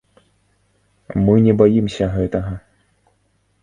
Мы не баімся гэтага.